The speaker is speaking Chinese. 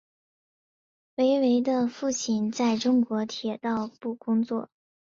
韦唯的父亲在中国铁道部工作。